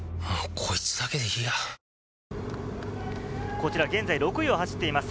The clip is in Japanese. こちら現在６位を走っています。